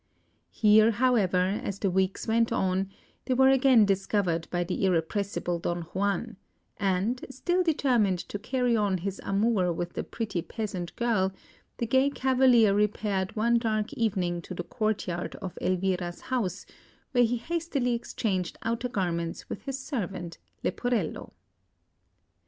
Here, however, as the weeks went on, they were again discovered by the irrepressible Don Juan; and, still determined to carry on his amour with the pretty peasant girl, the gay cavalier repaired one dark evening to the courtyard of Elvira's house, where he hastily exchanged outer garments with his servant, Leporello.